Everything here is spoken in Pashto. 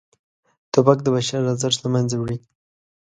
توپک د بشر ارزښت له منځه وړي.